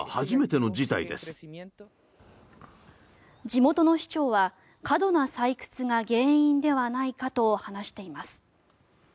地元の市長は過度な採掘が原因ではないかと話しています。